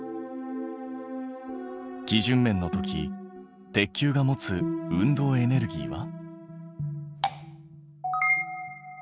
基準面の時鉄球が持つ運動エネルギーは。